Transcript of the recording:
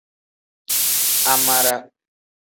Amara.